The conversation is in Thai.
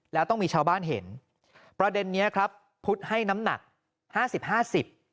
แล้วต้องมีชาวบ้านเห็นประเด็นนี้ครับพุทธให้น้ำหนักห้าสิบห้าสิบ